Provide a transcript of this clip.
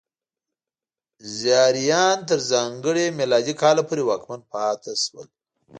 زیاریان تر ځانګړي میلادي کاله پورې واکمن پاتې شول.